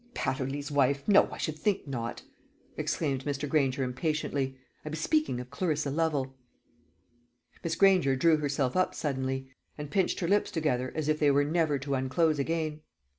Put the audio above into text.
"Patterly's wife! no, I should think not!" exclaimed Mr. Granger impatiently: "I was speaking of Clarissa Lovel." Miss Granger drew herself up suddenly, and pinched her lips together as if they were never to unclose again.